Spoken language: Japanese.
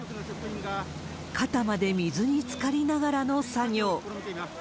肩まで水につかりながらの作業。